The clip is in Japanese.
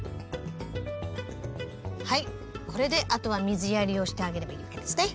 はいこれであとは水やりをしてあげればいいわけですね。